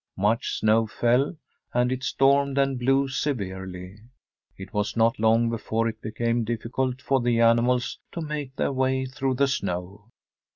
Much snow fell, and it stormed and blew severely. It was not long before it became difficult for the animals to make their way through the snow.